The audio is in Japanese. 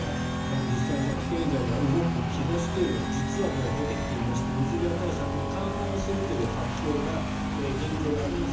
実際に経済が動く兆しというのが実はもう出てきていまして水際対策緩和をするという発表が現状、あります。